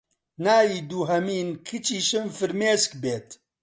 ناوی دوهەمین کچیشم فرمێسک بێت